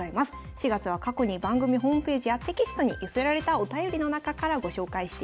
４月は過去に番組ホームページやテキストに寄せられたお便りの中からご紹介していきます。